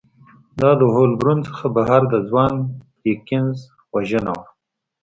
دا د هولبورن څخه بهر د ځوان پرکینز وژنه وه